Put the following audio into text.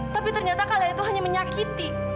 tapi ternyata kalian itu hanya menyakiti